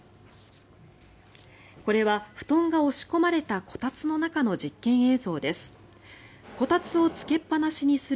これは布団が押し込まれたこたつの中の実験映像です。